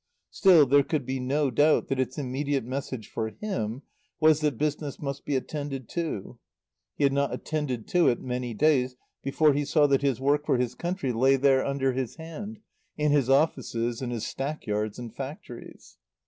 Still, there could be no doubt that its immediate message for him was that business must be attended to. He had not attended to it many days before he saw that his work for his country lay there under his hand, in his offices and his stackyards and factories.